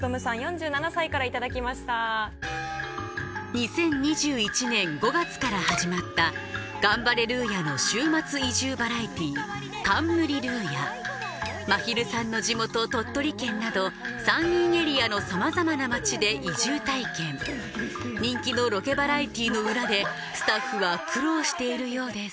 ２０２１年５月から始まったまひるさんの地元・鳥取県など山陰エリアのさまざまな街で移住体験人気のロケバラエティーの裏でスタッフは苦労しているようです